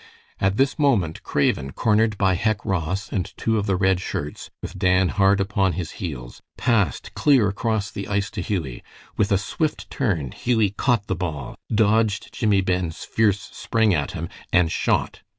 At this moment Craven, cornered by Hec Ross and two of the Red Shirts, with Dan hard upon his heels, passed clear across the ice to Hughie. With a swift turn Hughie caught the ball, dodged Jimmie Ben's fierce spring at him, and shot.